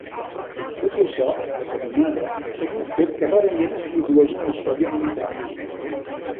Tot i això, la canonada és un fet que rarament es produeix en la història militar.